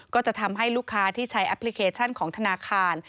ก็จะทำให้ลูกค้าที่ใช้แอปพลิเคชันของธนาคาร